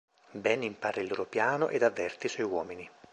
Ben impara il loro piano ed avverte i suoi uomini.